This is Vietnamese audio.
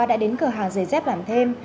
đã đến cửa hàng giày dép làm thêm